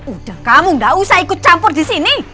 udah kamu gak usah ikut campur di sini